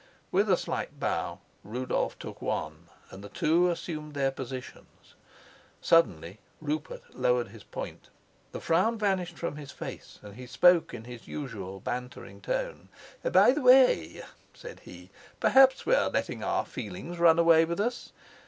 With a slight bow Rudolf took one, and the two assumed their positions. Suddenly Rupert lowered his point. The frown vanished from his face, and he spoke in his usual bantering tone. "By the way," said he, "perhaps we're letting our feelings run away with us.